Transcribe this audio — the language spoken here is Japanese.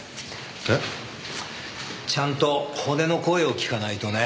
えっ？ちゃんと骨の声を聞かないとね。